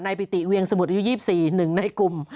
นายปิติเวียงสมุดอายุ๒๔หนึ่งในกลุ่ม